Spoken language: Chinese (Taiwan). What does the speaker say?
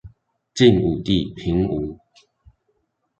晉武帝平吳